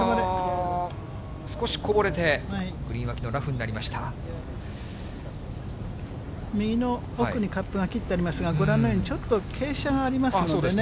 少しこぼれて、グリーン脇の右の奥にカップが切ってありますが、ご覧のように、ちょっと傾斜がありますのでね。